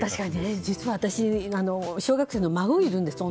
実は私、小学生の女の子の孫がいるんです。